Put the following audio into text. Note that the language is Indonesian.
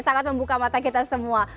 sangat membuka mata kita semua